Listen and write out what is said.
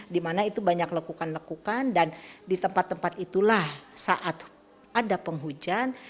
dimana itu banyak lekukan lekukan dan di tempat tempat itulah saat ada penghujan